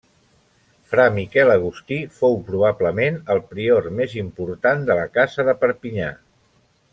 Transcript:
Fra Miquel Agustí fou probablement el prior més important de la casa de Perpinyà.